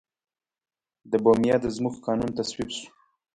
د بوميانو د ځمکو قانون تصویب شو.